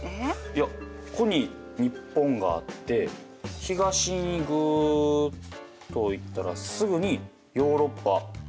いやここに日本があって東にぐっと行ったらすぐにヨーロッパアフリカってなってるんですよ。